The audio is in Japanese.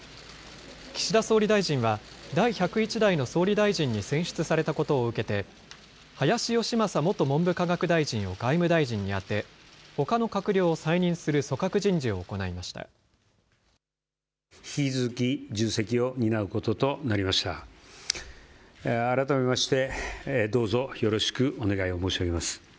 岸田総理大臣は、第１０１代の総理大臣に選出されたことを受けて、林芳正元文部科学大臣を外務大臣に充て、ほかの閣僚を再任する組閣人事を行いました。